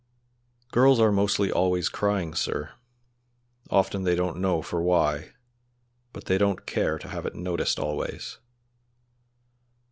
"Girls are mostly always crying, sir; often they don't know for why, but they don't care to have it noticed always."